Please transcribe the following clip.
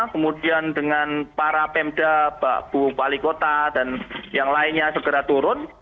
kemudian dengan para pemda bu wali kota dan yang lainnya segera turun